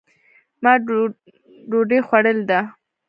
ما دوډۍ خوړلې ده